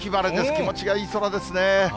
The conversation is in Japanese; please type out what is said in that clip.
気持ちがいい空ですね。